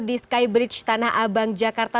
dan di skybridge tanah abang jakarta